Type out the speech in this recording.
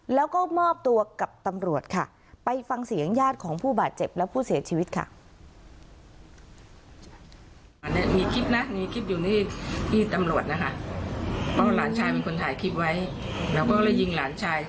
แล้วก็มอบตัวกับตำรวจค่ะไปฟังเสียงญาติของผู้บาดเจ็บและผู้เสียชีวิตค่ะ